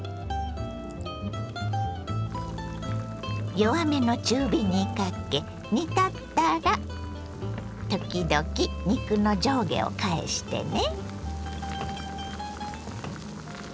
弱めの中火にかけ煮立ったら時々肉の上下を返してね。